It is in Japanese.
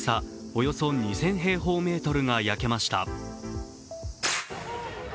およそ２０００平方メートルが焼けました。